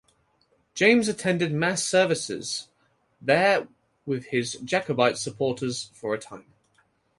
James attended Mass services there with his Jacobite supporters for a time.